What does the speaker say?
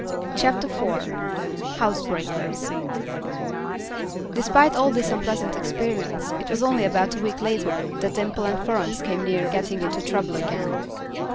CHAPTER IV Housebreakers Despite all this unpleasant experience, it was only about a week later that Dimple and Florence came near getting into trouble again.